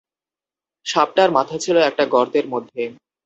সাপটার মাথা ছিল একটা গর্তের মধ্যে।